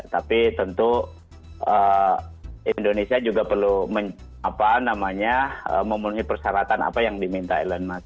tapi tentu indonesia juga perlu memenuhi persyaratan apa yang diminta elon musk